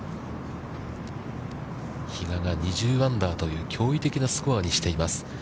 比嘉が２０アンダーという驚異的なスコアにしています。